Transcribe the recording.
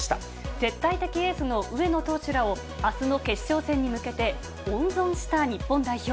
絶対的エースの上野投手らをあすの決勝戦に向けて、温存した日本代表。